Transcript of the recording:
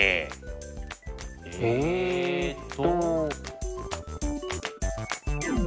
えっと。